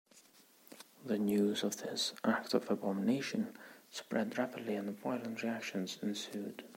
The news of this "act of abomination" spread rapidly and violent reactions ensued.